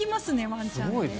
ワンちゃんって。